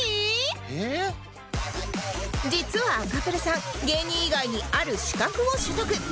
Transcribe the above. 実は赤プルさん芸人以外にある資格を取得